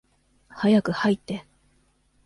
早く入って。